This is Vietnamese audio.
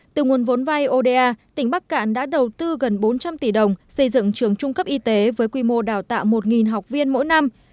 từ nguồn vốn vai oda tỉnh bắc cạn đã đầu tư gần bốn trăm linh tỷ đồng xây dựng trường trung cấp y tế với quy mô đào tạo một học viên mỗi năm